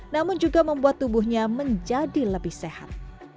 namun juga membuat tubuhnya menjadi lebih sehat